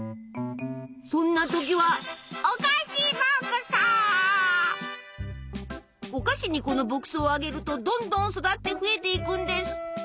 そんな時はお菓子にこの牧草をあげるとどんどん育って増えていくんです。